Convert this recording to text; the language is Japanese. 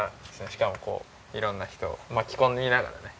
しかもこういろんな人を巻き込みながらね。